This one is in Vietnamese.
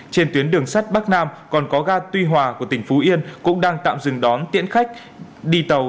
trên tuyến đường sắt bắc nam còn có ga tuy hòa của tỉnh phú yên cũng đang tạm dừng đón tiễn khách đi tàu